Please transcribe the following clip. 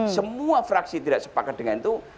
semua fraksi tidak sepakat dengan itu